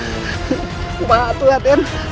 bapak atuh ya aden